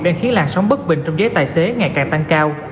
đang khiến làn sóng bất bình trong giới tài xế ngày càng tăng cao